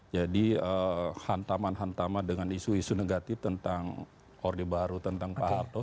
jadi hantaman hantaman dengan isu isu negatif tentang orde baru tentang pak harto